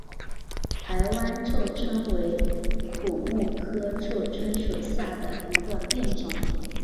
台湾臭椿为苦木科臭椿属下的一个变种。